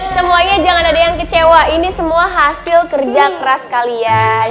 semuanya jangan ada yang kecewa ini semua hasil kerja keras kalian